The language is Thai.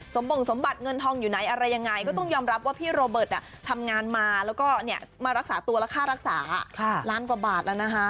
บ่งสมบัติเงินทองอยู่ไหนอะไรยังไงก็ต้องยอมรับว่าพี่โรเบิร์ตทำงานมาแล้วก็มารักษาตัวและค่ารักษาล้านกว่าบาทแล้วนะคะ